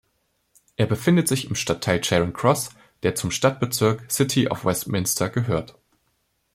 Er befindet sich im Stadtteil Charing Cross, der zum Stadtbezirk City of Westminster gehört.